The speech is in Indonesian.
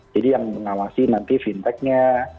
jadi yang mengawasi nanti fintechnya